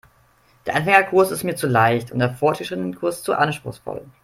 Der Anfängerkurs ist mir zu leicht und der Fortgeschrittenenkurs zu anspruchsvoll.